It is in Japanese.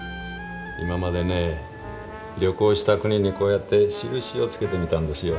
今までね旅行した国にこうやって印をつけてみたんですよ。